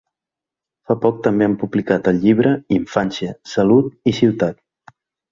Fa poc també han publicat el llibre Infància, salut i ciutat.